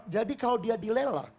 jadi kalau dia dilelang